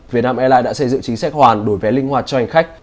việt nam airlines đã xây dựng chính sách hoàn đổi vé linh hoạt cho hành khách